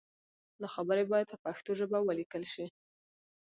دا خبرې باید په پښتو ژبه ولیکل شي.